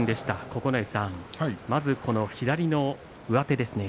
九重さん、まず左の上手ですね。